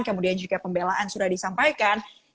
kemudian juga pembelaan sudah disampaikan